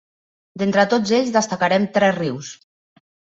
D'entre tots ells destacarem tres rius.